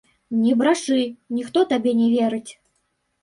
Не брашы, ніхто табе не верыць!